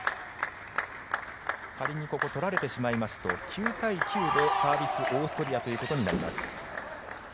仮にここ、取られてしまいますと９対９でサービス、オーストリアということになります。